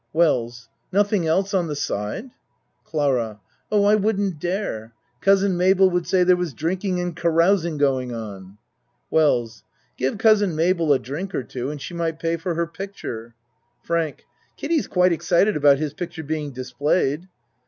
WELLS Nothing else on the side? CLARA Oh, I wouldn't dare. Cousin Mabel would say there was drinking and carousing going on. WELLS Give Cousin Mabel a drink or two and she might pay for her picture. FRANK Kiddie's quite excited about his picture being displayed.